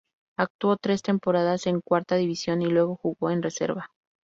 Actuó tres temporadas en Cuarta División y luego jugó en Reserva.